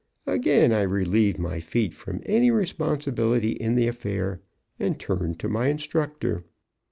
Again I relieved my feet from any responsibility in the affair, and turned to my instructor.